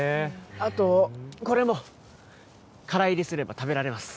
あとこれもからいりすれば食べられます